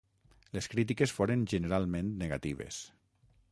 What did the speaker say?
Les crítiques foren generalment negatives.